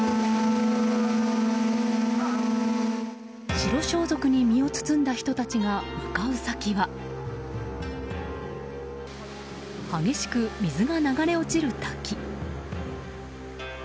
白装束に身を包んだ人たちが向かう先は激しく水が流れ落ちる滝。